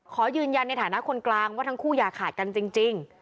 ขอยืนยันในฐานะคนกลางว่าทั้งคู่อย่าขาดกันจริง